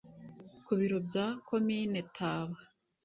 Ku biro bya komine taba